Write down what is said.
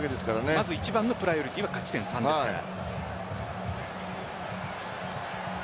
まず一番のプライオリティは勝ち点３ですから。